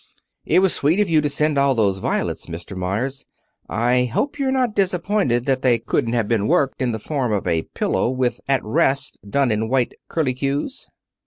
"It was sweet of you to send all those violets, Mr. Meyers. I hope you're not disappointed that they couldn't have been worked in the form of a pillow, with 'At Rest' done in white curlycues."